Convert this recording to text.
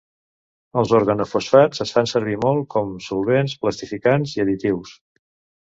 Els organofosfats es fan servir molt com solvents, plastificants i additius.